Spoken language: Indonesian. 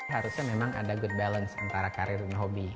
harusnya memang ada good balance antara karir dan hobi